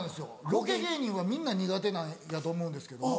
ロケ芸人はみんな苦手なんやと思うんですけども。